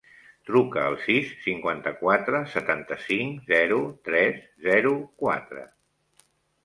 Truca al sis, cinquanta-quatre, setanta-cinc, zero, tres, zero, quatre.